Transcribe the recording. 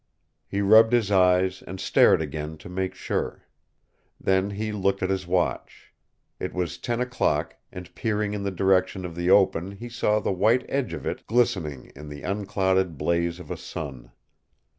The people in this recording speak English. He rubbed his eyes and stared again to make sure. Then he looked at his watch. It was ten o'clock and peering in the direction of the open he saw the white edge of it glistening in the unclouded blaze of a sun.